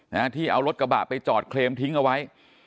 นะฮะที่เอารถกระบะไปจอดเคลมทิ้งเอาไว้